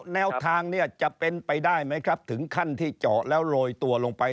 แนวทางเนี่ยจะเป็นไปได้ไหมครับถึงขั้นที่เจาะแล้วโรยตัวลงไป